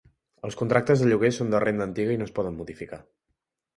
Els contractes de lloguer són de renda antiga i no es poden modificar.